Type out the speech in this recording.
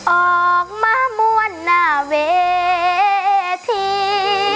ออกมาม่วนหน้าเวที